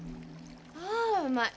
ああうまい。